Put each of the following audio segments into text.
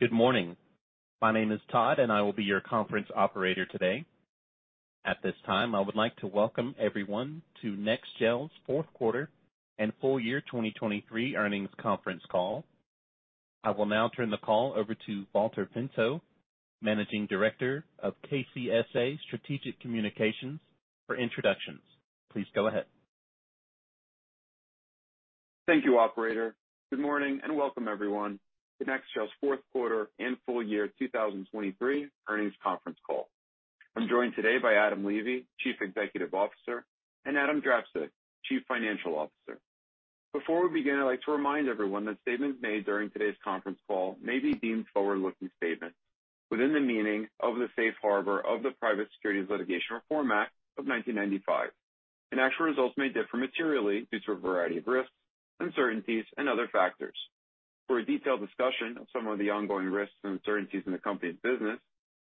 Good morning. My name is Todd, and I will be your conference operator today. At this time, I would like to welcome everyone to NEXGEL's Q4 and full year 2023 earnings conference call. I will now turn the call over to Valter Pinto, Managing Director of KCSA Strategic Communications, for introductions. Please go ahead. Thank you, operator. Good morning and welcome, everyone, to NEXGEL's Q4 and full year 2023 Earnings Conference Call. I'm joined today by Adam Levy, Chief Executive Officer, and Adam Drapczuk, Chief Financial Officer. Before we begin, I'd like to remind everyone that statements made during today's conference call may be deemed forward-looking statements within the meaning of the Safe Harbor of the Private Securities Litigation Reform Act of 1995, and actual results may differ materially due to a variety of risks, uncertainties, and other factors. For a detailed discussion of some of the ongoing risks and uncertainties in the company's business,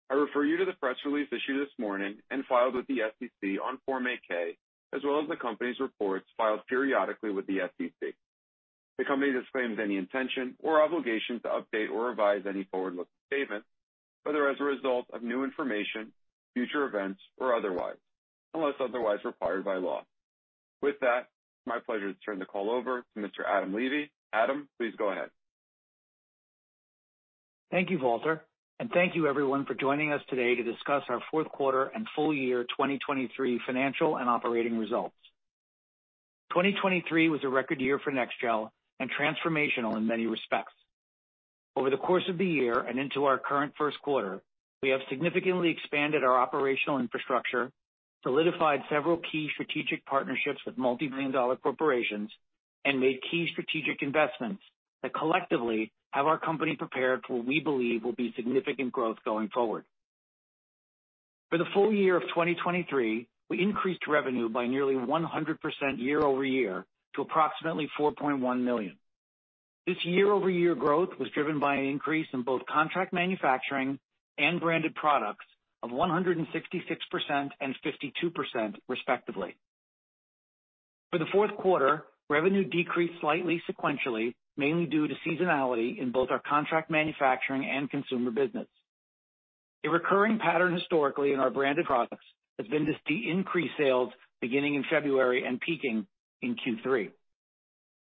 I refer you to the press release issued this morning and filed with the SEC on Form 8-K, as well as the company's reports filed periodically with the SEC. The company disclaims any intention or obligation to update or revise any forward-looking statements whether as a result of new information, future events, or otherwise, unless otherwise required by law. With that, it's my pleasure to turn the call over to Mr. Adam Levy. Adam, please go ahead. Thank you, Valter. Thank you, everyone, for joining us today to discuss our Q4 and full year 2023 financial and operating results. 2023 was a record year for NEXGEL and transformational in many respects. Over the course of the year and into our current Q1, we have significantly expanded our operational infrastructure, solidified several key strategic partnerships with multi-billion-dollar corporations, and made key strategic investments that collectively have our company prepared for what we believe will be significant growth going forward. For the full year of 2023, we increased revenue by nearly 100% year-over-year to approximately $4.1 million. This year-over-year growth was driven by an increase in both contract manufacturing and branded products of 166% and 52%, respectively. For the Q4, revenue decreased slightly sequentially, mainly due to seasonality in both our contract manufacturing and consumer business. A recurring pattern historically in our branded products has been to see increased sales beginning in February and peaking in Q3.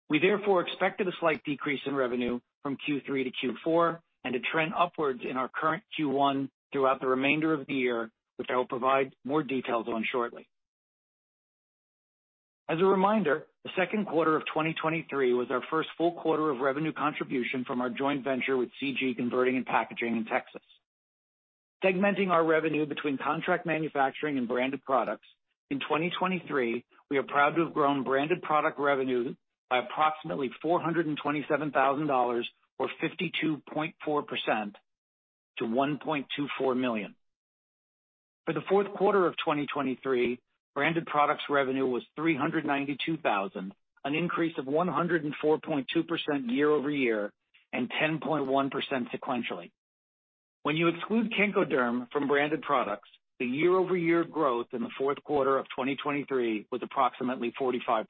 We therefore expected a slight decrease in revenue from Q3 to Q4 and a trend upwards in our current Q1 throughout the remainder of the year, which I will provide more details on shortly. As a reminder, the Q2 of 2023 was our first full quarter of revenue contribution from our joint venture with CG Converting and Packaging in Texas. Segmenting our revenue between contract manufacturing and branded products, in 2023, we are proud to have grown branded product revenue by approximately $427,000, or 52.4%, to $1.24 million. For the Q4 of 2023, branded products revenue was $392,000, an increase of 104.2% year-over-year and 10.1% sequentially. When you exclude Kenkoderm from branded products, the year-over-year growth in the Q4 of 2023 was approximately 45%.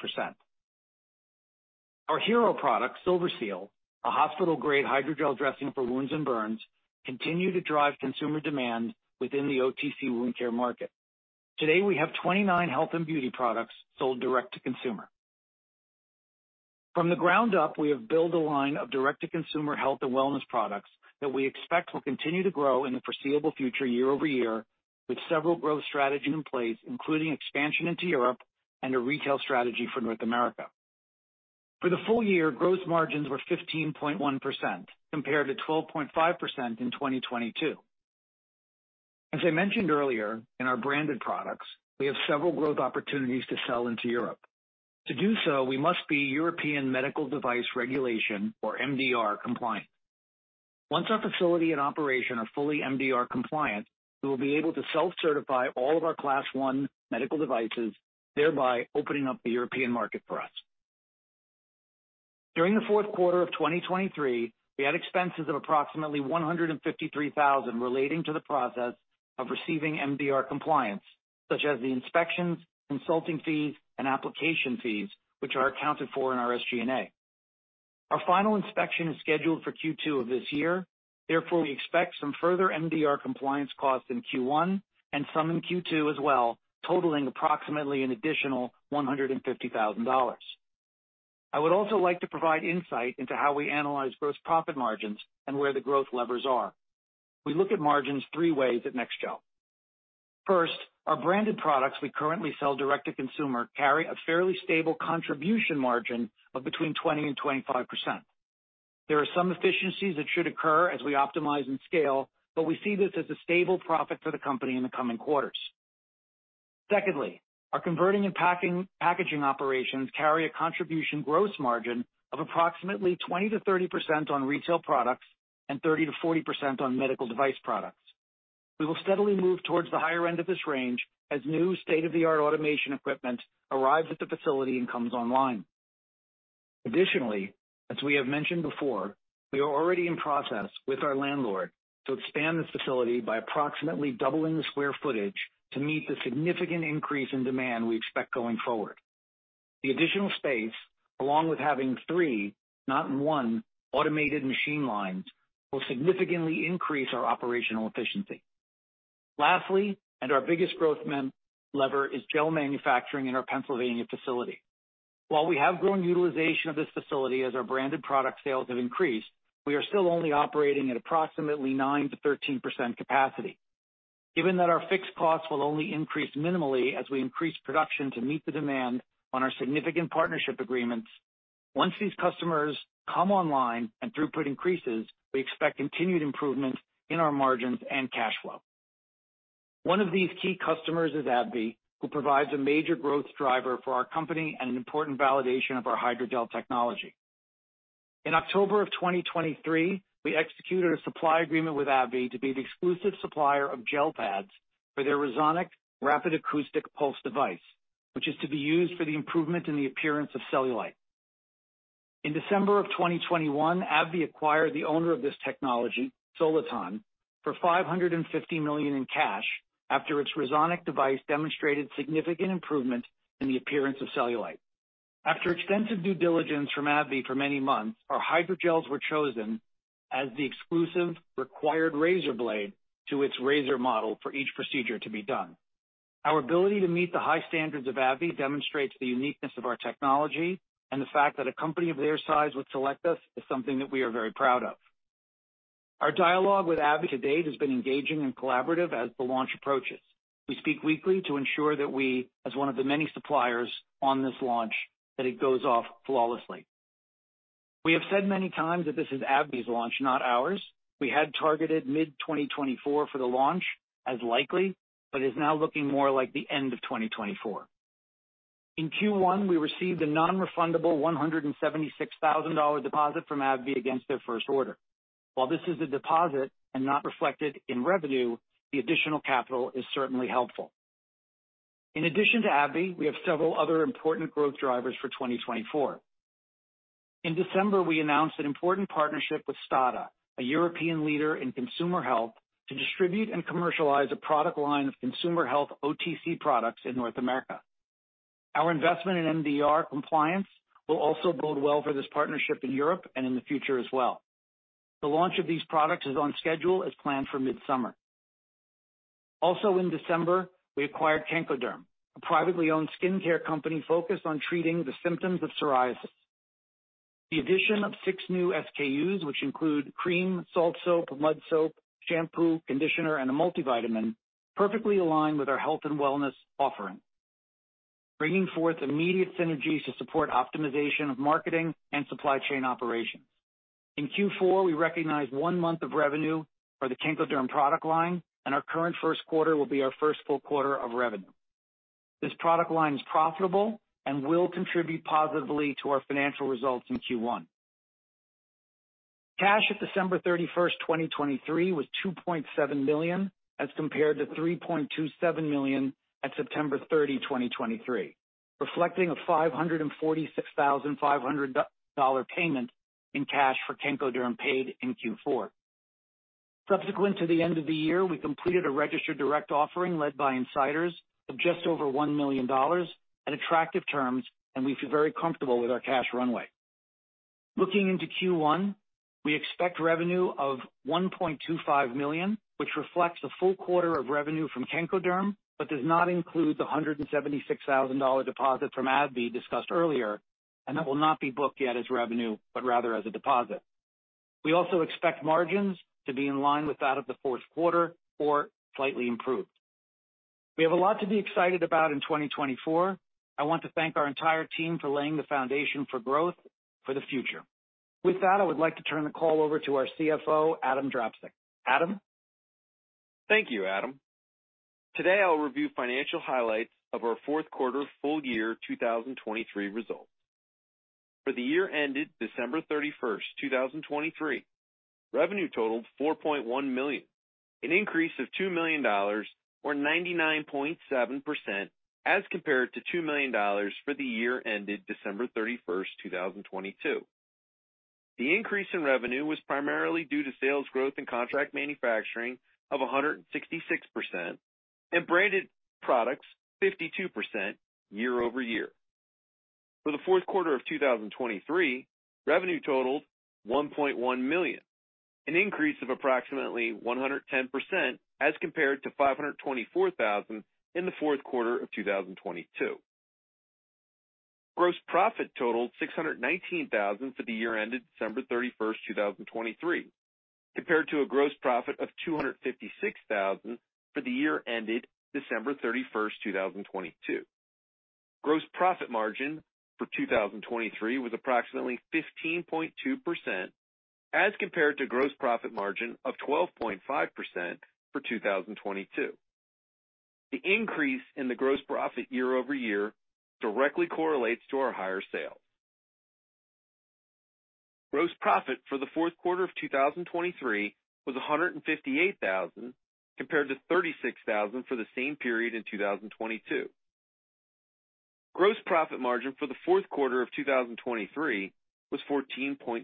Our hero product, SilverSeal, a hospital-grade hydrogel dressing for wounds and burns, continued to drive consumer demand within the OTC wound care market. Today, we have 29 health and beauty products sold direct to consumer. From the ground up, we have built a line of direct-to-consumer health and wellness products that we expect will continue to grow in the foreseeable future year-over-year, with several growth strategies in place, including expansion into Europe and a retail strategy for North America. For the full year, gross margins were 15.1% compared to 12.5% in 2022. As I mentioned earlier, in our branded products, we have several growth opportunities to sell into Europe. To do so, we must be European Medical Device Regulation, or MDR, compliant. Once our facility and operation are fully MDR compliant, we will be able to self-certify all of our Class I Medical Devices, thereby opening up the European market for us. During the Q4 of 2023, we had expenses of approximately $153,000 relating to the process of receiving MDR compliance, such as the inspections, consulting fees, and application fees, which are accounted for in our SG&A. Our final inspection is scheduled for Q2 of this year. Therefore, we expect some further MDR compliance costs in Q1 and some in Q2 as well, totaling approximately an additional $150,000. I would also like to provide insight into how we analyze gross profit margins and where the growth levers are. We look at margins three ways at NEXGEL. First, our branded products we currently sell direct to consumer carry a fairly stable contribution margin of between 20%-25%. There are some efficiencies that should occur as we optimize and scale, but we see this as a stable profit for the company in the coming quarters. Secondly, our converting and packaging operations carry a contribution gross margin of approximately 20%-30% on retail products and 30%-40% on medical device products. We will steadily move towards the higher end of this range as new state-of-the-art automation equipment arrives at the facility and comes online. Additionally, as we have mentioned before, we are already in process with our landlord to expand this facility by approximately doubling the square footage to meet the significant increase in demand we expect going forward. The additional space, along with having three, not one, automated machine lines, will significantly increase our operational efficiency. Lastly, and our biggest growth lever is gel manufacturing in our Pennsylvania facility. While we have grown utilization of this facility as our branded product sales have increased, we are still only operating at approximately 9%-13% capacity. Given that our fixed costs will only increase minimally as we increase production to meet the demand on our significant partnership agreements, once these customers come online and throughput increases, we expect continued improvement in our margins and cash flow. One of these key customers is AbbVie, who provides a major growth driver for our company and an important validation of our hydrogel technology. In October 2023, we executed a supply agreement with AbbVie to be the exclusive supplier of gel pads for their Resonic Rapid Acoustic Pulse device, which is to be used for the improvement in the appearance of cellulite. In December 2021, AbbVie acquired the owner of this technology, Soliton, for $550 million in cash after its RESONIC device demonstrated significant improvement in the appearance of cellulite. After extensive due diligence from AbbVie for many months, our hydrogels were chosen as the exclusive required razor blade to its razor model for each procedure to be done. Our ability to meet the high standards of AbbVie demonstrates the uniqueness of our technology and the fact that a company of their size would select us is something that we are very proud of. Our dialogue with AbbVie to date has been engaging and collaborative as the launch approaches. We speak weekly to ensure that we, as one of the many suppliers on this launch, that it goes off flawlessly. We have said many times that this is AbbVie's launch, not ours. We had targeted mid-2024 for the launch as likely, but it is now looking more like the end of 2024. In Q1, we received a non-refundable $176,000 deposit from AbbVie against their first order. While this is a deposit and not reflected in revenue, the additional capital is certainly helpful. In addition to AbbVie, we have several other important growth drivers for 2024. In December, we announced an important partnership with STADA, a European leader in consumer health, to distribute and commercialize a product line of consumer health OTC products in North America. Our investment in MDR compliance will also bode well for this partnership in Europe and in the future as well. The launch of these products is on schedule as planned for midsummer. Also in December, we acquired Kenkoderm, a privately owned skincare company focused on treating the symptoms of psoriasis. The addition of six new SKUs, which include cream, salt soap, mud soap, shampoo, conditioner, and a multivitamin, perfectly aligned with our health and wellness offering, bringing forth immediate synergy to support optimization of marketing and supply chain operations. In Q4, we recognized one month of revenue for the Kenkoderm product line, and our current Q1 will be our first full quarter of revenue. This product line is profitable and will contribute positively to our financial results in Q1. Cash at December 31, 2023, was $2.7 million as compared to $3.27 million at September 30, 2023, reflecting a $546,500 payment in cash for Kenkoderm paid in Q4. Subsequent to the end of the year, we completed a registered direct offering led by insiders of just over $1 million at attractive terms, and we feel very comfortable with our cash runway. Looking into Q1, we expect revenue of $1.25 million, which reflects the full quarter of revenue from Kenkoderm but does not include the $176,000 deposit from AbbVie discussed earlier, and that will not be booked yet as revenue but rather as a deposit. We also expect margins to be in line with that of the Q4 or slightly improved. We have a lot to be excited about in 2024. I want to thank our entire team for laying the foundation for growth for the future. With that, I would like to turn the call over to our CFO, Adam Drapczuk. Adam? Thank you, Adam. Today, I'll review financial highlights of our Q4 full year 2023 results. For the year ended December 31, 2023, revenue totaled $4.1 million, an increase of $2 million, or 99.7%, as compared to $2 million for the year ended December 31, 2023. The increase in revenue was primarily due to sales growth in contract manufacturing of 166% and branded products 52% year-over-year. For the Q4 of 2023, revenue totaled $1.1 million, an increase of approximately 110% as compared to $524,000 in the Q4 of 2022. Gross profit totaled $619,000 for the year ended December 31, 2023, compared to a gross profit of $256,000 for the year ended December 31, 2023. Gross profit margin for 2023 was approximately 15.2% as compared to gross profit margin of 12.5% for 2022. The increase in the gross profit year-over-year directly correlates to our higher sales. Gross profit for the Q4 of 2023 was $158,000 compared to $36,000 for the same period in 2022. Gross profit margin for the Q4 of 2023 was 14.6%.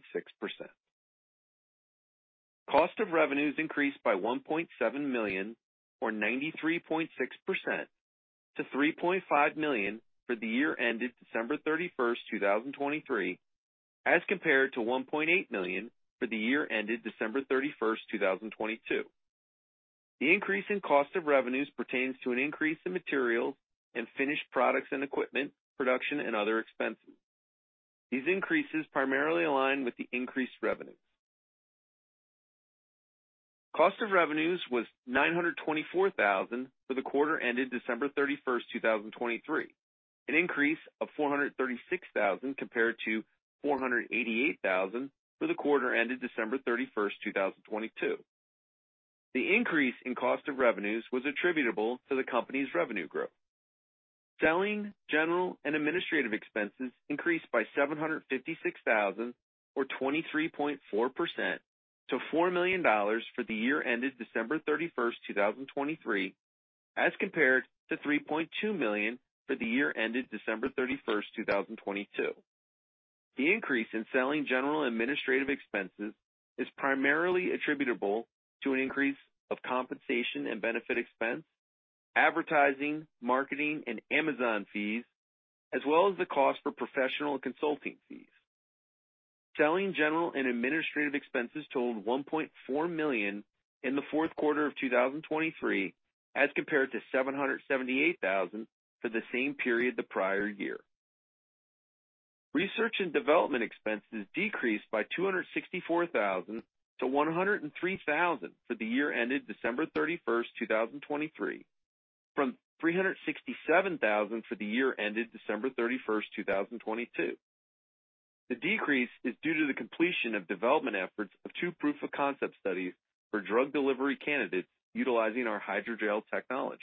Cost of revenues increased by $1.7 million, or 93.6%, to $3.5 million for the year ended December 31, 2023, as compared to $1.8 million for the year ended December 31, 2023. The increase in cost of revenues pertains to an increase in materials and finished products and equipment, production, and other expenses. These increases primarily align with the increased revenues. Cost of revenues was $924,000 for the quarter ended December 31, 2023, an increase of $436,000 compared to $488,000 for the quarter ended December 31, 2023. The increase in cost of revenues was attributable to the company's revenue growth. Selling, general, and administrative expenses increased by $756,000, or 23.4%, to $4 million for the year ended December 31, 2023, as compared to $3.2 million for the year ended December 31, 2023. The increase in selling, general, and administrative expenses is primarily attributable to an increase of compensation and benefit expense, advertising, marketing, and Amazon fees, as well as the cost for professional consulting fees. Selling, general, and administrative expenses totaled $1.4 million in the Q4 of 2023 as compared to $778,000 for the same period the prior year. Research and development expenses decreased by $264,000 to $103,000 for the year ended December 31, 2023, from $367,000 for the year ended December 31, 2023. The decrease is due to the completion of development efforts of two proof-of-concept studies for drug delivery candidates utilizing our hydrogel technology.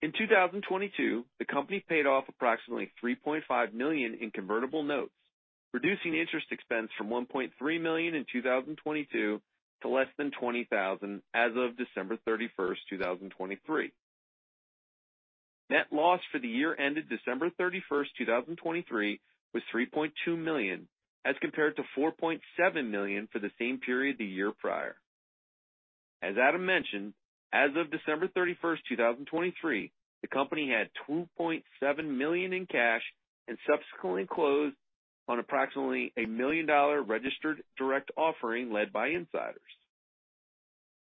In 2022, the company paid off approximately $3.5 million in convertible notes, reducing interest expense from $1.3 million in 2022 to less than $20,000 as of December 31, 2023. Net loss for the year ended December 31, 2023, was $3.2 million as compared to $4.7 million for the same period the year prior. As Adam mentioned, as of December 31, 2023, the company had $2.7 million in cash and subsequently closed on approximately $1 million registered direct offering led by insiders.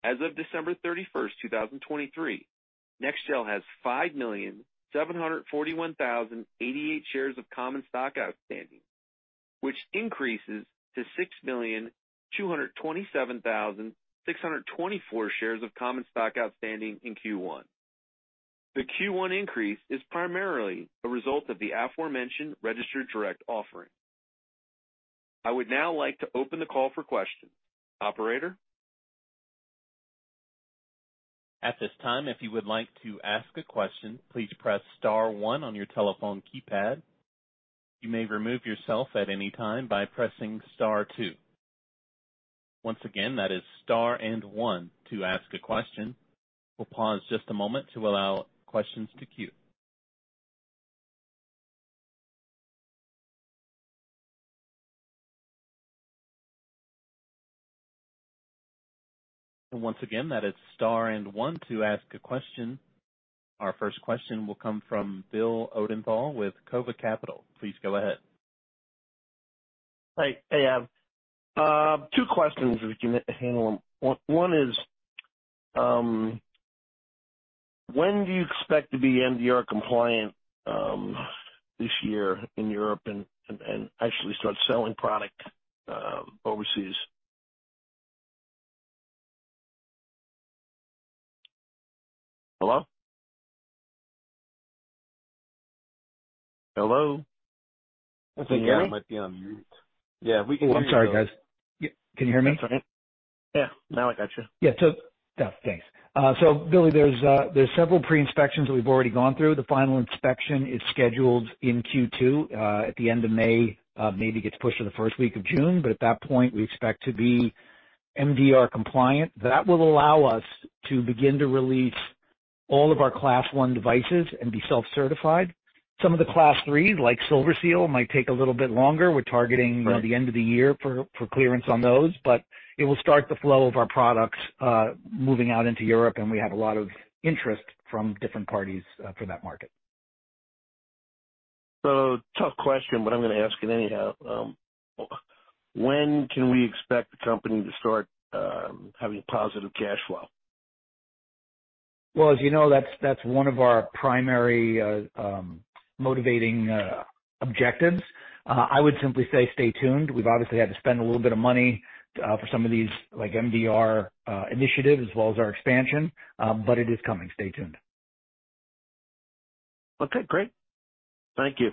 As of December 31, 2023, NEXGEL has 5,741,088 shares of common stock outstanding, which increases to 6,227,624 shares of common stock outstanding in Q1. The Q1 increase is primarily a result of the aforementioned registered direct offering. I would now like to open the call for questions. Operator? At this time, if you would like to ask a question, please press star one on your telephone keypad. You may remove yourself at any time by pressing star two. Once again, that is star and one to ask a question. We'll pause just a moment to allow questions to queue. Once again, that is star and one to ask a question. Our first question will come from Bill Odenthal with Kova Capital. Please go ahead. Hey, Adam. Two questions, if you can handle them. One is, when do you expect to be MDR compliant, this year in Europe and, and, and actually start selling product overseas? Hello? Hello? I think, Gary. Yeah. Might be on mute. Yeah. We can hear you now. Oh, I'm sorry, guys. Yeah, can you hear me? That's all right. Yeah. Now I got you. Yeah. So, yeah. Thanks. So, Billy, there's several pre-inspections that we've already gone through. The final inspection is scheduled in Q2, at the end of May. Maybe gets pushed to the first week of June. But at that point, we expect to be MDR compliant. That will allow us to begin to release all of our Class I devices and be self-certified. Some of the Class III, like SilverSeal, might take a little bit longer. We're targeting, you know, the end of the year for clearance on those. But it will start the flow of our products moving out into Europe. And we have a lot of interest from different parties for that market. Tough question, but I'm gonna ask it anyhow. When can we expect the company to start having positive cash flow? Well, as you know, that's, that's one of our primary, motivating, objectives. I would simply say stay tuned. We've obviously had to spend a little bit of money, for some of these, like, MDR, initiatives as well as our expansion. But it is coming. Stay tuned. Okay. Great. Thank you.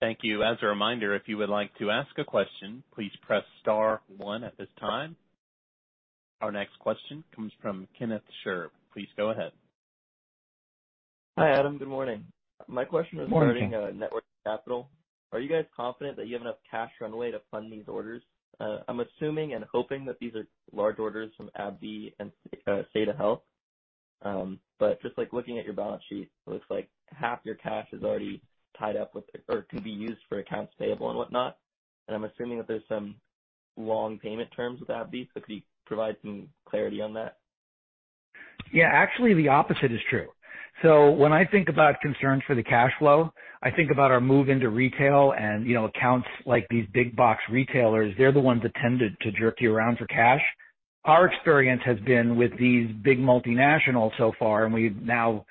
Thank you. As a reminder, if you would like to ask a question, please press star one at this time. Our next question comes from Kenneth Sherb. Please go ahead. Hi, Adam. Good morning. My question was regarding. Good morning. Net working capital. Are you guys confident that you have enough cash runway to fund these orders? I'm assuming and hoping that these are large orders from AbbVie and STADA. But just, like, looking at your balance sheet, it looks like half your cash is already tied up with or can be used for accounts payable and whatnot. And I'm assuming that there's some long payment terms with AbbVie. So could you provide some clarity on that? Yeah. Actually, the opposite is true. So when I think about concerns for the cash flow, I think about our move into retail and, you know, accounts like these big-box retailers. They're the ones that tend to jerk you around for cash. Our experience has been with these big multinationals so far, and we now,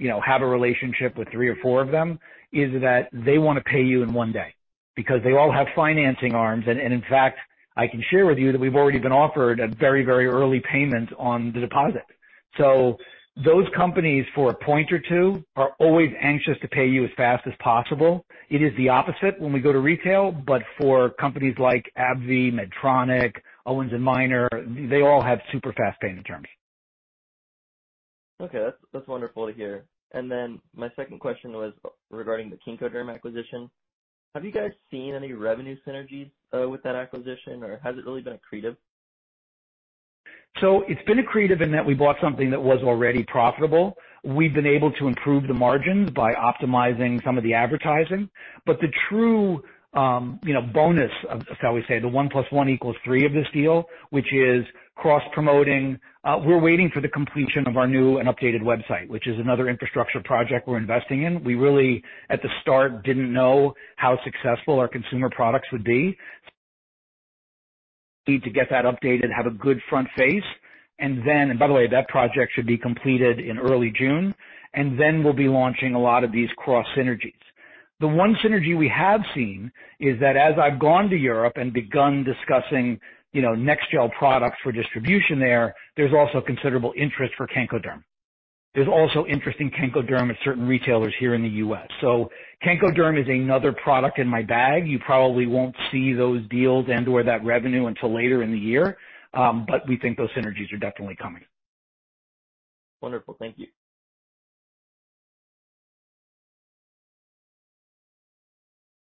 you know, have a relationship with three or four of them, is that they wanna pay you in one day because they all have financing arms. And in fact, I can share with you that we've already been offered a very, very early payment on the deposit. So those companies, for a point or two, are always anxious to pay you as fast as possible. It is the opposite when we go to retail. But for companies like AbbVie, Medtronic, Owens & Minor, they all have super fast payment terms. Okay. That's, that's wonderful to hear. And then my second question was, regarding the Kenkoderm acquisition. Have you guys seen any revenue synergies, with that acquisition, or has it really been accretive? So it's been accretive in that we bought something that was already profitable. We've been able to improve the margins by optimizing some of the advertising. But the true, you know, bonus of, of shall we say, the one plus one equals three of this deal, which is cross-promoting we're waiting for the completion of our new and updated website, which is another infrastructure project we're investing in. We really, at the start, didn't know how successful our consumer products would be. So we need to get that updated, have a good front face. And then and by the way, that project should be completed in early June. And then we'll be launching a lot of these cross-synergies. The one synergy we have seen is that as I've gone to Europe and begun discussing, you know, NEXGEL products for distribution there, there's also considerable interest for Kenkoderm. There's also interest in Kenkoderm at certain retailers here in the U.S. So Kenkoderm is another product in my bag. You probably won't see those deals and/or that revenue until later in the year. But we think those synergies are definitely coming. Wonderful. Thank you.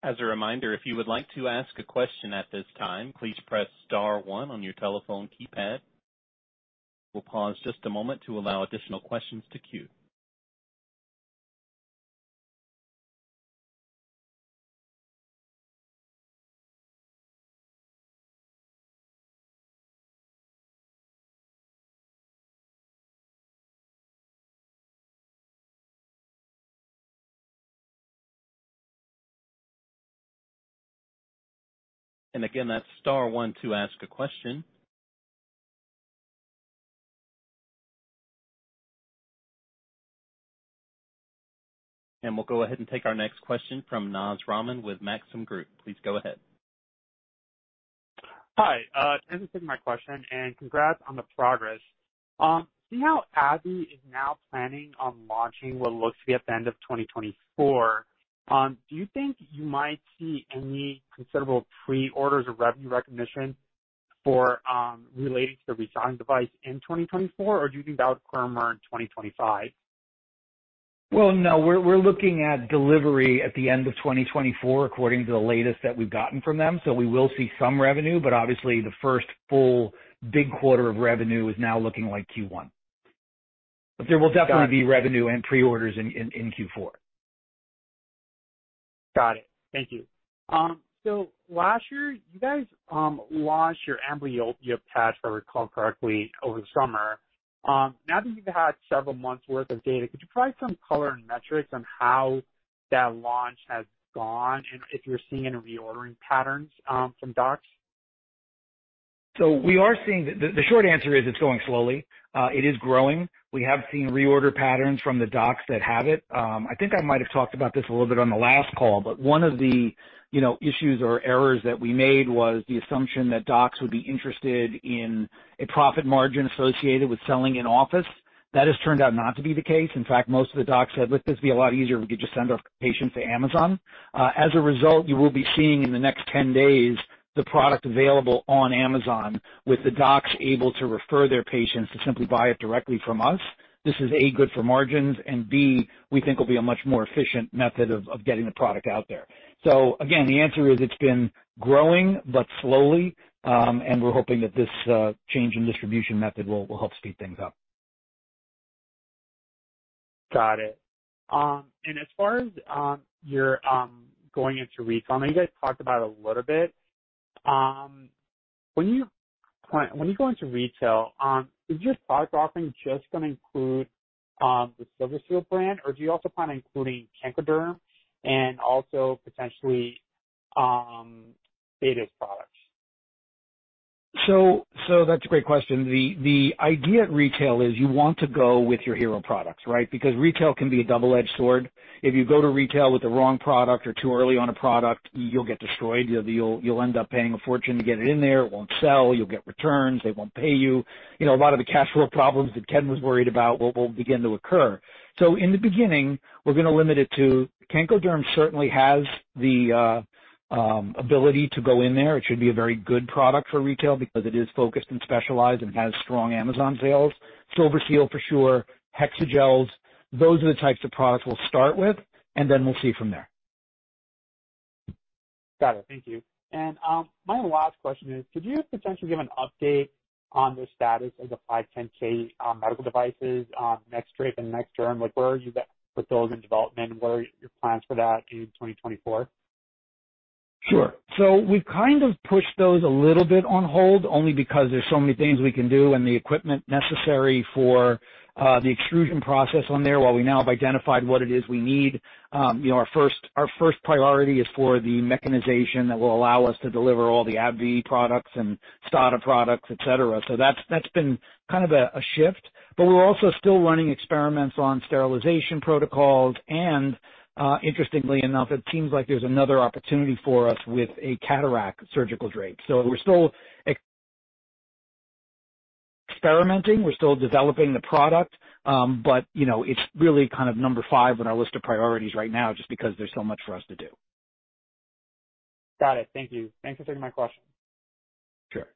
As a reminder, if you would like to ask a question at this time, please press star one on your telephone keypad. We'll pause just a moment to allow additional questions to queue. And again, that's star one to ask a question. And we'll go ahead and take our next question from Naz Rahman with Maxim Group. Please go ahead. Hi. This is my question. Congrats on the progress. See how AbbVie is now planning on launching what looks to be at the end of 2024. Do you think you might see any considerable pre-orders or revenue recognition for, relating to the RESONIC device in 2024, or do you think that would premiere in 2025? Well, no. We're looking at delivery at the end of 2024 according to the latest that we've gotten from them. So we will see some revenue. But obviously, the first full big quarter of revenue is now looking like Q1. But there will definitely. Got it. Be revenue and pre-orders in Q4. Got it. Thank you. So last year, you guys launched your Amblyopia Patch, if I recall correctly, over the summer. Now that you've had several months' worth of data, could you provide some color and metrics on how that launch has gone and if you're seeing any reordering patterns from docs? So we are seeing the short answer is it's going slowly. It is growing. We have seen reorder patterns from the docs that have it. I think I might have talked about this a little bit on the last call. But one of the, you know, issues or errors that we made was the assumption that docs would be interested in a profit margin associated with selling in office. That has turned out not to be the case. In fact, most of the docs said, "Look, this would be a lot easier if we could just send our patients to Amazon." As a result, you will be seeing in the next 10 days the product available on Amazon with the docs able to refer their patients to simply buy it directly from us. This is, A, good for margins. And B, we think will be a much more efficient method of getting the product out there. So again, the answer is it's been growing but slowly. And we're hoping that this change in distribution method will help speed things up. Got it. As far as you're going into retail now, you guys talked about it a little bit. When you plan when you go into retail, is your product offering just gonna include the SilverSeal brand, or do you also plan on including Kenkoderm and also potentially STADA's products? So that's a great question. The idea at retail is you want to go with your hero products, right? Because retail can be a double-edged sword. If you go to retail with the wrong product or too early on a product, you'll get destroyed. You know, you'll end up paying a fortune to get it in there. It won't sell. You'll get returns. They won't pay you. You know, a lot of the cash flow problems that Ken was worried about will begin to occur. So in the beginning, we're gonna limit it to Kenkoderm, certainly has the ability to go in there. It should be a very good product for retail because it is focused and specialized and has strong Amazon sales. SilverSeal, for sure. Hexagels. Those are the types of products we'll start with. And then we'll see from there. Got it. Thank you. My last question is, could you potentially give an update on the status of the 510(k), medical devices, NexDrape and NexDerm? Like, where are you at with those in development? What are your plans for that in 2024? Sure. So we've kind of pushed those a little bit on hold only because there's so many things we can do and the equipment necessary for the extrusion process on there while we now have identified what it is we need. You know, our first our first priority is for the mechanization that will allow us to deliver all the AbbVie products and STADA products, etc. So that's, that's been kind of a shift. But we're also still running experiments on sterilization protocols. And, interestingly enough, it seems like there's another opportunity for us with a cataract surgical drape. So we're still experimenting. We're still developing the product. But, you know, it's really kind of number five on our list of priorities right now just because there's so much for us to do. Got it. Thank you. Thanks for taking my question. Sure.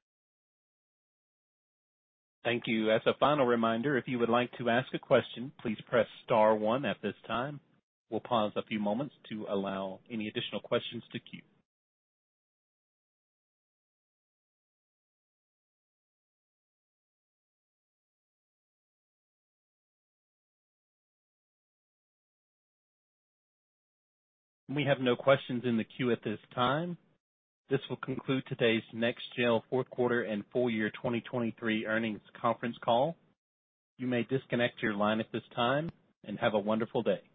Thank you. As a final reminder, if you would like to ask a question, please press star one at this time. We'll pause a few moments to allow any additional questions to queue. We have no questions in the queue at this time. This will conclude today's NEXGEL Q4 and full-year 2023 earnings conference call. You may disconnect your line at this time. Have a wonderful day.